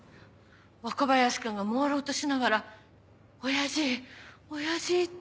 若林君がもうろうとしながら「親父親父」って。